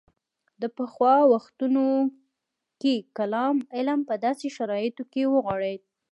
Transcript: د پخوا وختونو کې کلام علم په داسې شرایطو کې وغوړېد.